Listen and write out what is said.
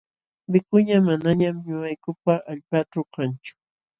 Wikuña manañam ñuqaykupa allpaaćhu kanchu.